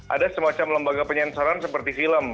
ada semacam lembaga penyensaran seperti film